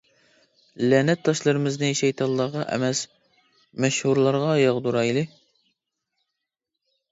لەنەت تاشلىرىمىزنى شەيتانلارغا ئەمەس، مەشھۇرلارغا ياغدۇرايلى.